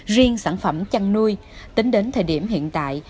riêng sản phẩm chăn nuôi tính đến thời điểm hiện tại